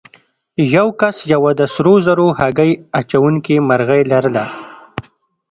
یو کس یوه د سرو زرو هګۍ اچوونکې مرغۍ لرله.